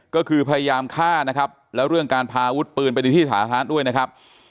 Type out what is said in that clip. ก็คือพยายามฆ่าแล้วเรื่องการพาวุฒิตปืนไปที่สาธารณะด้วยนะครับ